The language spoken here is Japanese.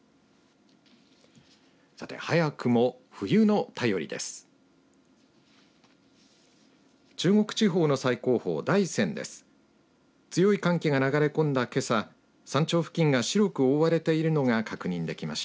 さて、早くも冬の便りです。